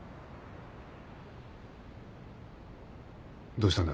どうしたんだ？